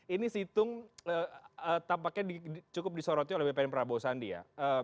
ini situng tampaknya cukup disorotin oleh bpn prabowo sandi ya